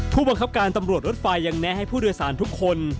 ผู้บังคับการตำรวจรถไฟยังแนะให้ผู้โดยสารทุกคน